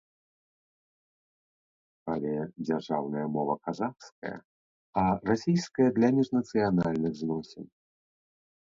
Але дзяржаўная мова казахская, а расійская для міжнацыянальных зносін.